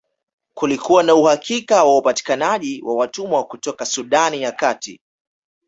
Kulikuwa na uhakika wa upatikanaji wa watumwa kutoka Sudan ya Kati